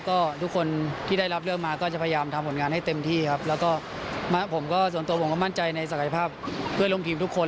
ก็ทุกคนที่ได้รับเรื่องมาก็จะพยายามทำผลงานให้เต็มที่ครับแล้วก็ผมก็ส่วนตัวผมก็มั่นใจในศักยภาพเพื่อนร่วมทีมทุกคน